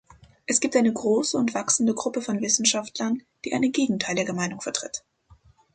Es gibt eine große und wachsende Gruppe von Wissenschaftlern, die eine gegenteilige Meinung vertritt.